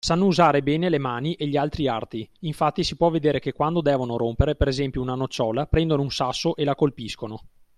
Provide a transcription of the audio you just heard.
Sanno usare bene le mani e gli altri arti, infatti si può vedere che quando devono rompere, per esempio, una nocciola prendono un sasso e la colpiscono.